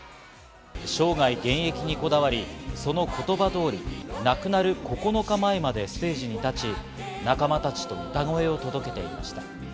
生涯現役にこだわり、その言葉通り亡くなる９日前までステージに立ち、仲間たちと歌声を届けていました。